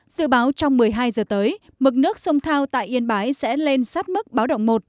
dự báo trong một mươi hai giờ tới mực nước sông thao tại yên bái sẽ lên sát mức báo động một